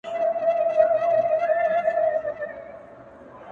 • غواړم د پېړۍ لپاره مست جام د نشیې ـ